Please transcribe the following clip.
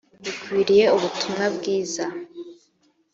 bikwiriye ubutumwa bwiza